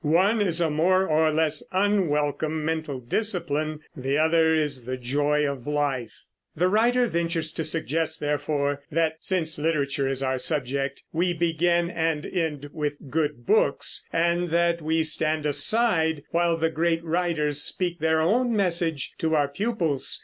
One is a more or less unwelcome mental discipline; the other is the joy of life. The writer ventures to suggest, therefore, that, since literature is our subject, we begin and end with good books; and that we stand aside while the great writers speak their own message to our pupils.